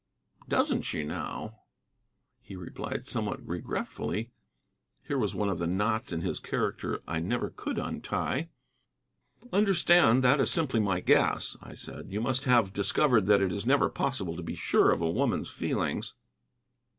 "Doesn't she now," he replied somewhat regretfully. Here was one of the knots in his character I never could untie. "Understand, that is simply my guess," I said. "You must have discovered that it is never possible to be sure of a woman's feelings."